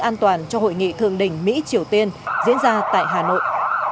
an toàn cho hội nghị thượng đỉnh mỹ triều tiên diễn ra tại hà nội